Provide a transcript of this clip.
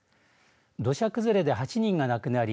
土砂崩れで８人が亡くなり